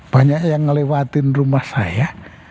banyak yang ngelewatin rumah saya